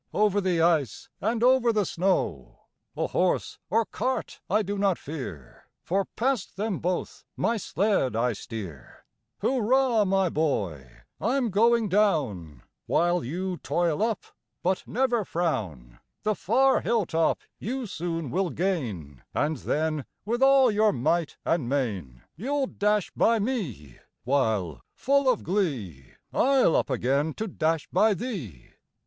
Over the ice, and over the snow; A horse or cart I do not fear. For past them both my sled I steer. Hurra! my boy! I'm going down, While you toil up; but never frown; The far hill top you soon will gain, And then, with all your might and main, You'll dash by me; while, full of glee, I'll up again to dash by thee!